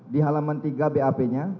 di halaman tiga bap nya